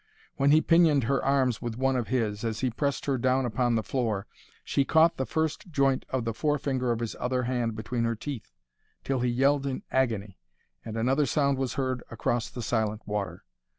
When he pinioned her arms with one of his, as he pressed her down upon the floor, she caught the first joint of the forefinger of his other hand between her teeth till he yelled in agony, and another sound was heard across the silent water.